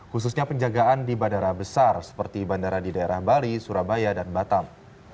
khususnya penjagaan di bandara besar seperti bandara di daerah bali surabaya dan batam